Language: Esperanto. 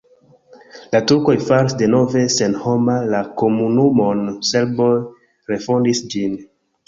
La turkoj faris denove senhoma la komunumon, serboj refondis ĝin.